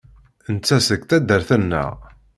Netta seg taddart-nneɣ.